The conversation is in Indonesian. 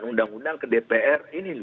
undang undang ke dpr ini